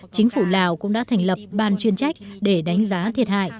chính phủ lào cũng đã thành lập ban chuyên trách để đánh giá thiệt hại